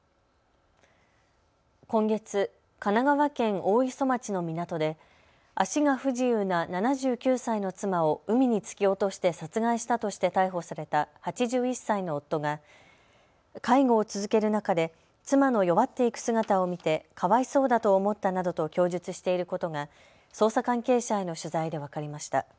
今月、神奈川県大磯町の港で足が不自由な７９歳の妻を海に突き落として殺害したとして逮捕された８１歳の夫が介護を続ける中で妻の弱っていく姿を見てかわいそうだと思ったなどと供述していることが捜査関係者への取材で分かりました。